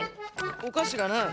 おかしがない！